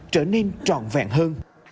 trở nên tròn vẹn hơn